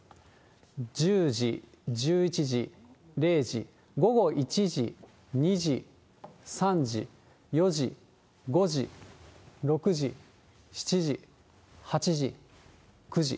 １０時、１１時、０時、午後１時、２時、３時、４時、５時、６時、７時、８時、９時。